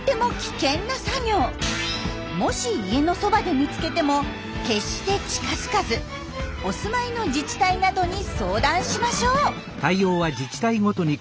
もし家のそばで見つけても決した近づかずお住まいの自治体などに相談しましょう。